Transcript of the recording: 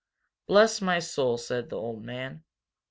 "Bless my soul!" said the old man.